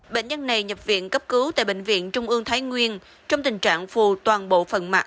bệnh nhân này nhập viện cấp cứu tại bệnh viện trung ương thái nguyên trong tình trạng phù toàn bộ phần mạng